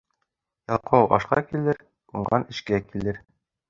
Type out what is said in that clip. Ялҡау ашҡа килер, уңған эшкә килер.